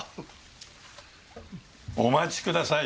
お待ちください。